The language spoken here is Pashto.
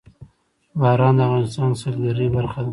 باران د افغانستان د سیلګرۍ برخه ده.